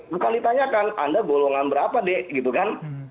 bukan ditanyakan anda golongan berapa deh gitu kan